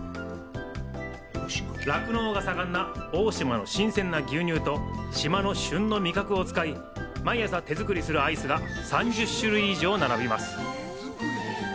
酪農が盛んな大島の新鮮な牛乳と島の旬の味覚を使い、毎朝手作りするアイスが３０種類以上、並びます。